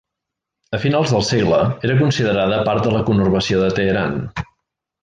A finals del segle era considerada part de la conurbació de Teheran.